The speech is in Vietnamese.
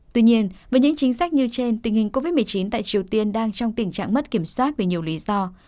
tuy nhiên với những chính sách như trên tình hình covid một mươi chín tại triều tiên đang trong tình trạng mất kiểm soát về nhiều lý do